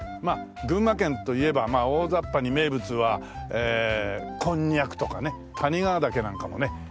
まあ群馬県といえば大ざっぱに名物はえこんにゃくとかね谷川岳なんかもね